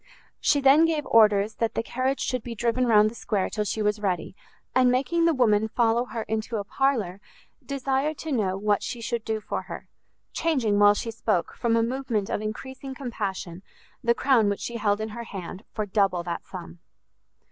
She then gave orders that the carriage should be driven round the square till she was ready, and making the woman follow her into a parlour, desired to know what she should do for her; changing, while she spoke, from a movement of encreasing compassion, the crown which she held in her hand for double that sum.